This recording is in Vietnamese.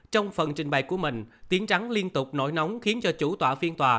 trong phần trình bày của mình tiếng trắng liên tục nổi nóng khiến cho chủ tòa phiên tòa